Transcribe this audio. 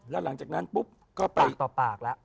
แล้วหลังจากนั้นปุ๊บก็ไปต่อปากแล้ว